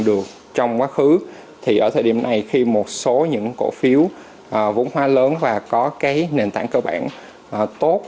được trong quá khứ thì ở thời điểm này khi một số những cổ phiếu vốn hoa lớn và có cái nền tảng cơ bản tốt